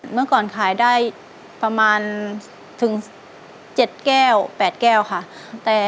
เมื่อก่อนขายได้ประมาณถึง๗แก้ว๘แก้วค่ะ